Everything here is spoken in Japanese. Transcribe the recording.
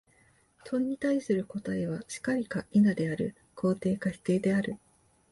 問に対する答は、「然り」か「否」である、肯定か否定である。